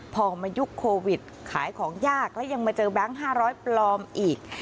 พอมายุคโควิดขายของยากแล้วยังมาเจอแบงค์๕๐๐ปลอมอีก